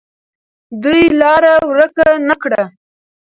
دوی لاره ورکه نه کړه.